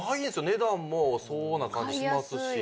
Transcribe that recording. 値段も相応な感じしますし。